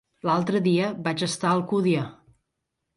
L'altre dia vaig estar a Alcúdia.